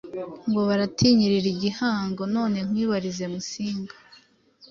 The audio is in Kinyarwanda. Ngo baratinyirira igihango !None nkwibarize Musinga